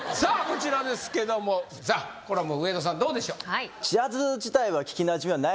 こちらですけどもじゃあこれはもう上田さんどうでしょう？